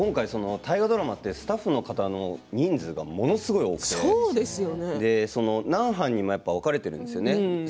大河ドラマはスタッフの人数がものすごく多くて何班にも分かれているんですよね